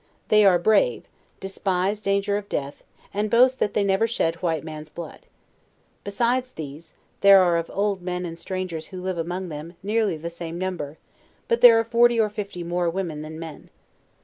They are brave, despise danger of death, and boast that they never shed white man's blood. Besides these, there are of old men and strangers who live among them, nearly the same number; but there are forty or fifty more women than men.